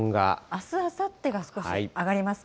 あす、あさってが少し上がりますか。